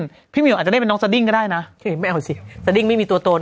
พี่มิวอาจจะได้เป็นน้องสดิ้งก็ได้นะพี่ไม่เอาสิสดิ้งไม่มีตัวตน